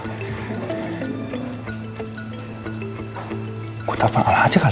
nyokapnya al kan jadi trigger sekarang